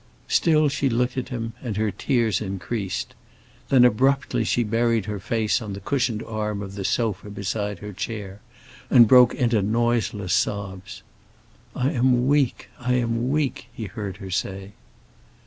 Still she looked at him and her tears increased. Then, abruptly, she buried her face on the cushioned arm of the sofa beside her chair, and broke into noiseless sobs. "I am weak—I am weak," he heard her say.